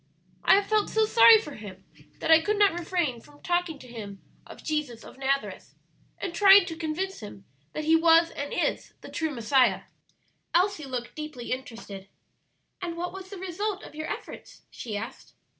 "I have felt so sorry for him that I could not refrain from talking to him of Jesus of Nazareth, and trying to convince him that He was and is the true Messiah." Elsie looked deeply interested. "And what was the result of your efforts?" she asked.